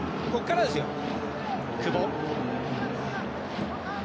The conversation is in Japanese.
ここからですよ。